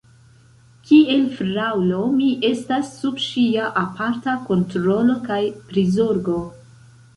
Kiel fraŭlo, mi estas sub ŝia aparta kontrolo kaj prizorgo.